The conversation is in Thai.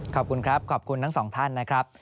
ขอบคุณครับขอบคุณทั้งสองท่านนะครับ